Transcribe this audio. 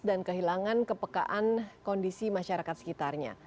dan kehilangan kepekaan kondisi masyarakat sekitarnya